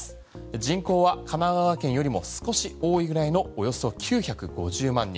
人口は神奈川県よりも少し多いぐらいのおよそ９５０万人。